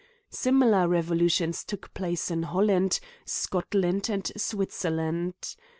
Similar revolutions took place in Holland, Scotland, and Switzerland.